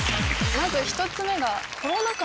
まず１つ目。